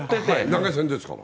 投げ銭ですから。